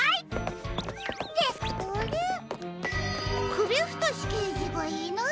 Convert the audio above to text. くびふとしけいじがいない？